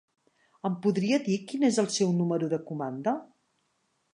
Em podria dir quin és el seu número de comanda?